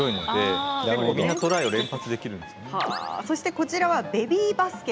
こちらは、ベビーバスケ。